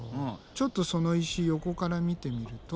ちょっとその石横から見てみると。